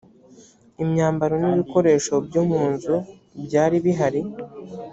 imyambaro n ibikoresho byo mu nzu byari bihari